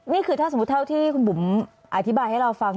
นี่คือถ้าสมมุติเท่าที่คุณบุ๋มอธิบายให้เราฟัง